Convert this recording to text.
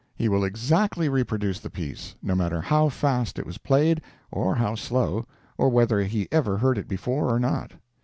He will exactly reproduce the piece, no matter how fast it was played or how slow, or whether he ever heard it before or not.